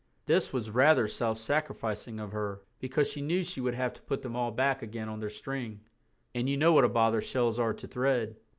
(This was rather self sacrificing of her, because she knew she would have to put them all back again on their string, and you know what a bother shells are to thread.)